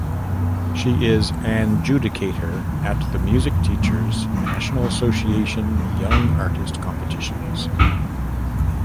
She is an judicator at the Music Teachers' National Association Young Artist Competitions.